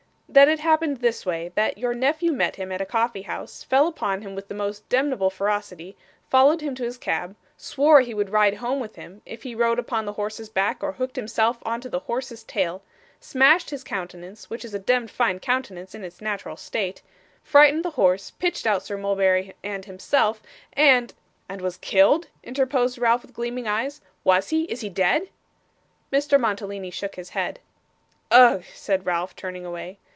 'That it happened this way that your nephew met him at a coffeehouse, fell upon him with the most demneble ferocity, followed him to his cab, swore he would ride home with him, if he rode upon the horse's back or hooked himself on to the horse's tail; smashed his countenance, which is a demd fine countenance in its natural state; frightened the horse, pitched out Sir Mulberry and himself, and ' 'And was killed?' interposed Ralph with gleaming eyes. 'Was he? Is he dead?' Mantalini shook his head. 'Ugh,' said Ralph, turning away.